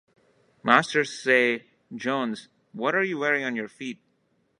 Masters say, "Jones, what are you wearing on your feet?"